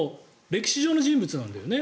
歴史上の人物なんだよね